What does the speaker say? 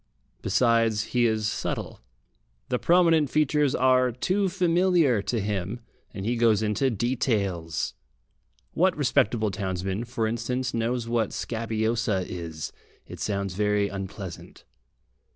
Besides, he is subtle. The prominent features are too familiar to him, and he goes into details. What respectable townsman, for instance, knows what "scabiosa" is? It sounds very unpleasant.